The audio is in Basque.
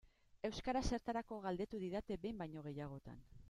Euskara zertarako galdetu didate behin baino gehiagotan.